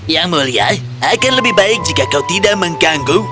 yang mulia akan lebih baik jika kau tidak mengganggu